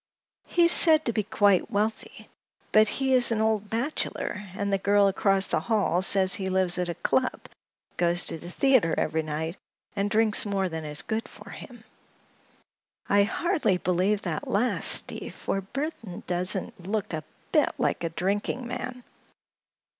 "He is said to be quite wealthy. But he is an old bachelor, and the girl across the hall says he lives at a club, goes to the theater every night and drinks more than is good for him. I hardly believe that last, Steve, for Mr. Burthon doesn't look a bit like a drinking man."